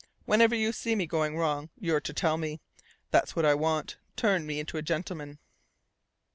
Whenever you see me going wrong, you're to tell me. That's what I want turn me into a gentleman."